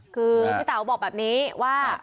คือพี่เต๋าบอกแบบนี้ว่า